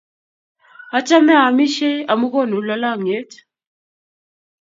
achame aamishei amu konu lalangyet